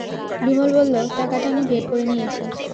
বিমল বলল, টাকাটা আমি বের করে নিয়েছি।